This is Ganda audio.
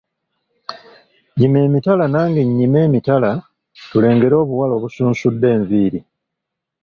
Yima emitala nange nnyime emitala tulengere obuwala obusunsudde enviiri.